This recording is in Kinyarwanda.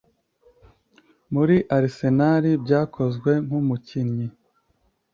muri Arisenali byakozwe nkumukinyi